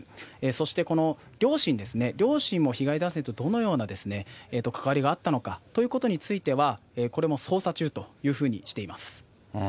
そしてこの両親ですね、両親も被害男性とどのような関わりがあったのかということについては、これも捜査中というふうにしています。